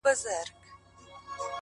موږه تل د نورو پر پلو پل ږدو حرکت کوو _